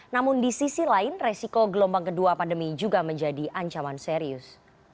namun di sisi lain resiko gelombang kedua pandemi juga menjadi ancaman serius